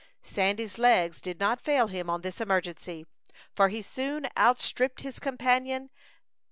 Sandy's legs did not fail him on this emergency, for he soon outstripped his companion.